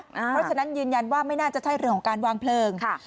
เพราะฉะนั้นยืนยันว่าไม่น่าจะใช่เรื่องของการวางเพลิง